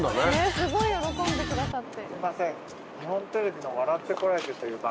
すごい喜んでくださって。